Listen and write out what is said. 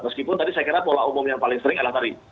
meskipun tadi saya kira pola umum yang paling sering adalah tadi